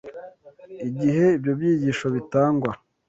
Igihe ibyo byigisho bitangwa